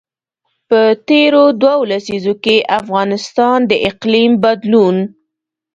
په تېرو دوو لسیزو کې افغانستان د اقلیم بدلون.